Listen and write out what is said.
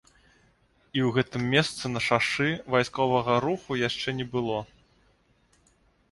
І ў гэтым месцы на шашы вайсковага руху яшчэ не было.